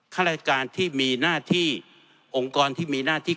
ข้าระการที่มีหน้าที่